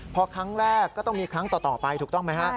พอครั้งแรกก็ต้องมีครั้งต่อไปถูกต้องไหมฮะ